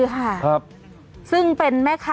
จัดกระบวนพร้อมกัน